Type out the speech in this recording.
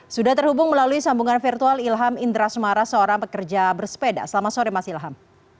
sudah terhubung melalui sambungan virtual ilham indra sumara seorang pekerja bersepeda selamat sore mas ilham